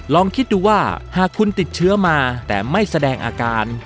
ลองคิดดูว่าหากคุณติดเชื้อมาแต่ไม่แสดงอาการ